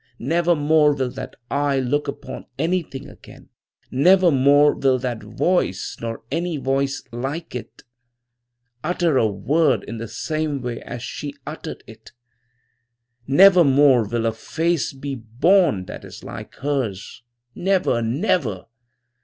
Nevermore will that eye look upon anything again; nevermore will that voice, nor any voice like it, utter a word in the same way as she uttered it. "Nevermore will a face be born that is like hers. Never, never!